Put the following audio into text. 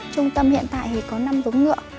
trung tâm hiện tại thì có năm giống ngựa